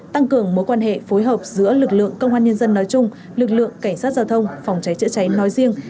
tăng cường mối quan hệ phối hợp giữa lực lượng công an nhân dân nói chung lực lượng cảnh sát giao thông phòng cháy chữa cháy nói riêng